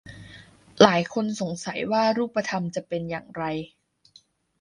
หลายคนสงสัยว่ารูปธรรมจะเป็นอย่างไร